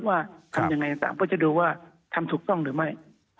ว่าทำยังไงต่างก็จะดูว่าทำถูกต้องหรือไม่